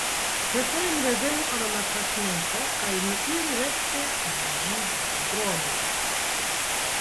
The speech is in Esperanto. Prefere ni revenu al la taĉmento kaj ni iru rekte Ĵizdro'n.